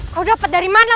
kau dapat dari mana